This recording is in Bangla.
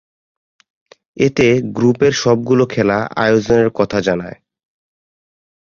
এতে গ্রুপ এ’র সবগুলো খেলা আয়োজনের কথা জানায়।